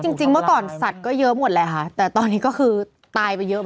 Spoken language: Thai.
ก็จริงของตอนสัตว์ก็เยอะหมดเลยค่ะแต่ตอนนี้ก็คือตายไปจะเยอะ